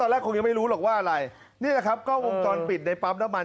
แรกคงยังไม่รู้หรอกว่าอะไรนี่แหละครับกล้องวงจรปิดในปั๊มน้ำมัน